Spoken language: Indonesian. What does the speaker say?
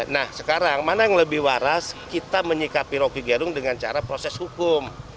nah sekarang mana yang lebih waras kita menyikapi rocky gerung dengan cara proses hukum